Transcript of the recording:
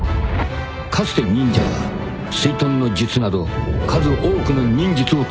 ［かつて忍者は水遁の術など数多くの忍術を使っていた］